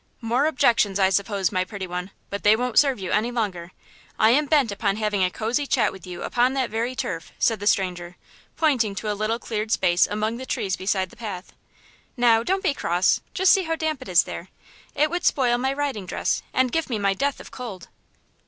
"More objections, I suppose, my pretty one; but they won't serve you any longer. I am bent upon having a cozy chat with you upon that very turf," said the stranger, pointing to a little cleared space among the trees beside the path. "Now, don't be cross; just see how damp it is there; it would spoil my riding dress and give me my death of cold."